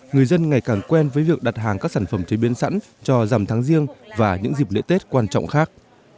người dân ngày càng quen với việc đặt hàng các sản phẩm chế biến sẵn cho dằm tháng riêng và những dịp lễ tết quan trọng khác